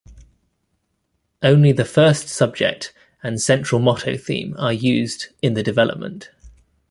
Only the first subject and central motto theme are used in the development.